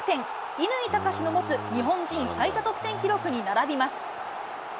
乾貴士の持つ日本人最多得点記録に並びます。